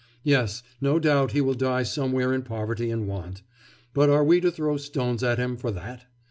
Yes; no doubt he will die somewhere in poverty and want; but are we to throw stones at him for that?